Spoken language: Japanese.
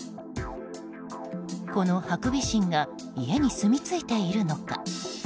このハクビシンが家にすみ着いているのか。